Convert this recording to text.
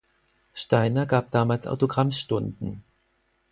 Steiner gab damals Autogrammstunden.